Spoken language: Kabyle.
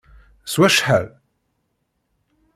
S wacḥal?